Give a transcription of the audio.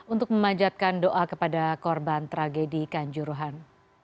untuk memanjatkan doa kepada korban tragedi kanjuruhan